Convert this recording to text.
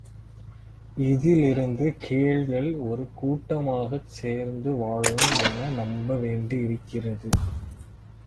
இதிலிருந்து கீழ்கள் ஒரு கூட்டமாகச் சேர்ந்து வாழும் என நம்ப வேண்டியிருக்கிறது.